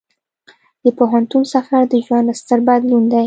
د پوهنتون سفر د ژوند ستر بدلون دی.